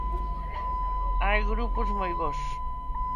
Hai grupos moi bos.